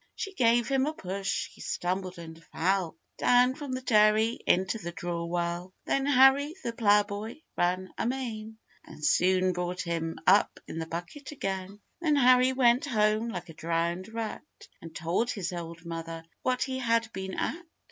She gave him a push, he stumbled and fell Down from the dairy into the drawwell. Then Harry, the ploughboy, ran amain, And soon brought him up in the bucket again. Then Harry went home like a drowned rat, And told his old mother what he had been at.